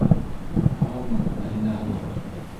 Һаумы, Мәҙинә һылыу?